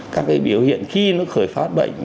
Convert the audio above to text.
các cái biểu hiện khi nó khởi phát bệnh